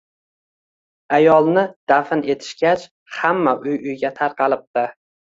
Ayolni dafn etishgach, hamma uy-uyiga tarqalibdi.